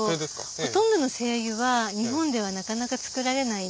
ほとんどの精油は日本ではなかなか作られないって。